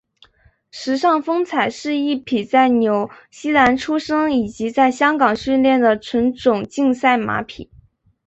时尚风采是一匹在纽西兰出生以及在香港训练的纯种竞赛马匹。